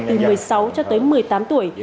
từ một mươi sáu cho tới một mươi tám tuổi